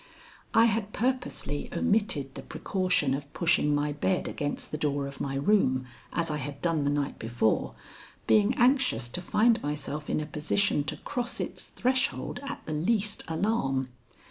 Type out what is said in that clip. I had purposely omitted the precaution of pushing my bed against the door of my room, as I had done the night before, being anxious to find myself in a position to cross its threshold at the least alarm.